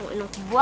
lu apalagi itu aja